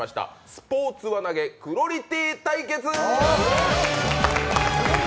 スポーツ輪投げクロリティー対決。